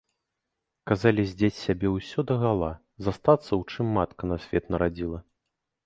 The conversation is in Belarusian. Казалі здзець з сябе ўсё дагала, застацца у чым матка на свет нарадзіла.